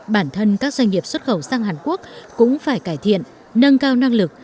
bản thân các doanh nghiệp xuất khẩu sang hàn quốc cũng phải cải thiện nâng cao năng lực